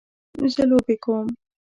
زه لوبې کوم